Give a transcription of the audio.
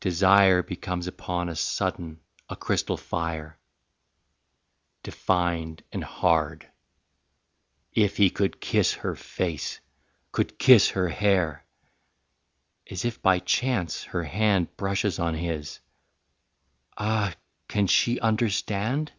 Desire Becomes upon a sudden a crystal fire, Defined and hard: If he could kiss her face, Could kiss her hair! As if by chance, her hand Brushes on his ... Ah, can she understand?